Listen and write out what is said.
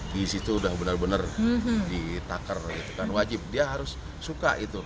di situ udah benar benar ditakar gitu kan wajib dia harus suka itu